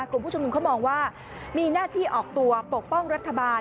กลุ่มผู้ชุมนุมเขามองว่ามีหน้าที่ออกตัวปกป้องรัฐบาล